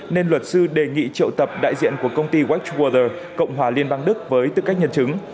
nên luật sư đề nghị triệu tập đại diện của công ty west water cộng hòa liên bang đức với tư cách nhân chứng